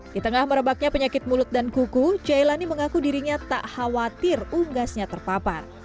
di tengah merebaknya penyakit mulut dan kuku jailani mengaku dirinya tak khawatir unggasnya terpapar